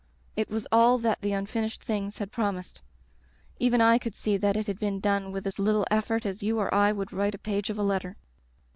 It was all that the unfinished things had promised. Even I could see that it had been done with as little effort as you or I would write a page of a letter.